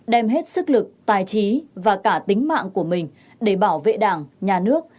đem hết sức lực tài trí và cả tính mạng của mình để bảo vệ đảng nhà nước